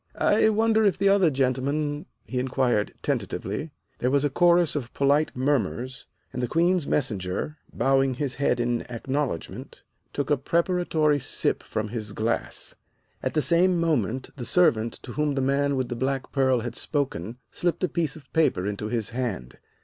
"I wonder if the other gentlemen " he inquired tentatively. There was a chorus of polite murmurs, and the Queen's Messenger, bowing his head in acknowledgment, took a preparatory sip from his glass. At the same moment the servant to whom the man with the black pearl had spoken, slipped a piece of paper into his hand.